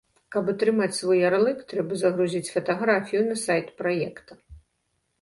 Каб атрымаць свой ярлык, трэба загрузіць фатаграфію на сайт праекта.